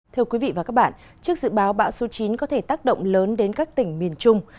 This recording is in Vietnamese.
thưa quý vị và các bạn trước dự báo bão số chín có thể tác động lớn đến các tỉnh miền trung